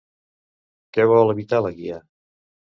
Què vol evitar la Guia?